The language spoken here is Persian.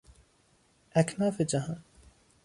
اکناف جهان